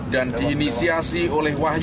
dan diinisiasi oleh wahyu